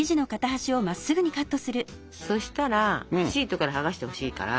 そしたらシートから剥がしてほしいから。